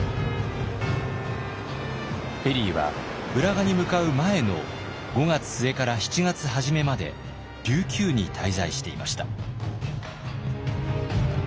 ペリーは浦賀に向かう前の５月末から７月初めまで琉球に滞在していました。